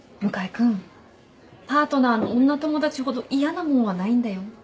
君パートナーの女友達ほど嫌なもんはないんだよ。